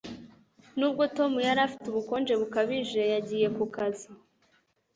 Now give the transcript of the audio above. Nubwo Tom yari afite ubukonje bukabije, yagiye ku kazi.